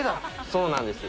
そうなんです。